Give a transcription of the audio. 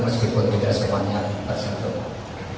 meskipun tidak semuanya tersentuh